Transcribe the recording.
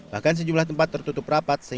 bahkan sejumlah tempat tertutup rapat